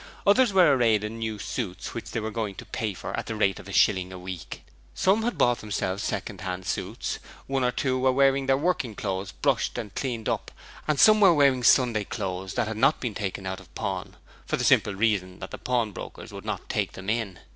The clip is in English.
Others were arrayed in new suits which they were going to pay for at the rate of a shilling a week. Some had bought themselves second hand suits, one or two were wearing their working clothes brushed and cleaned up, and some were wearing Sunday clothes that had not been taken out of pawn for the simple reason that the pawnbrokers would not take them in.